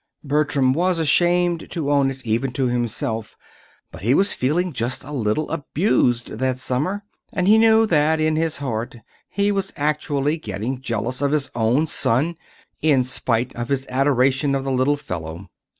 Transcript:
Bertram was ashamed to own it, even to himself, but he was feeling just a little abused that summer; and he knew that, in his heart, he was actually getting jealous of his own son, in spite of his adoration of the little fellow.